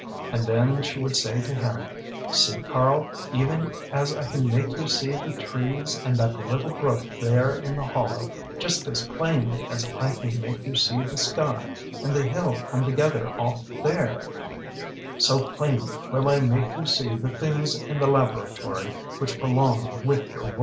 and then she would say to him: "See, Karl even as I can make you see the trees and that little brook there in the hollow, just as plainly as I can make you see the sky and the hill come together off there so plainly will I make you see the things in the laboratory which belong with your work."